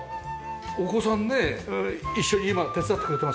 お子さんね一緒に今手伝ってくれてますか？